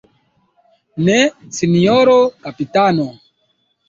Ne, sinjoro kapitano.